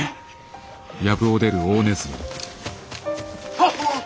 あっ！